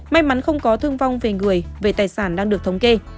may mắn không có thương vong về người về tài sản đang được thống kê